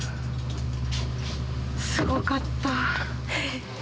すごかった。